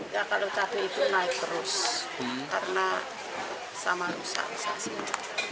kalau cabai itu naik terus karena sama rusak rusak